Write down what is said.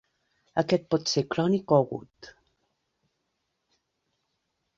Aquest pot ser crònic o agut.